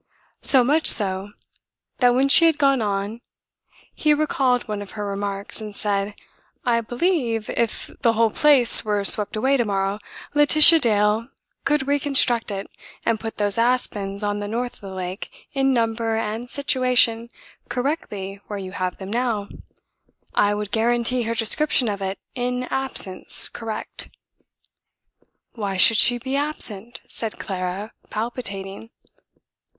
So much so that when she had gone on he recalled one of her remarks, and said: "I believe, if the whole place were swept away to morrow, Laetitia Dale could reconstruct it and put those aspens on the north of the lake in number and situation correctly where you have them now. I would guarantee her description of it in absence correct." "Why should she be absent?" said Clara, palpitating.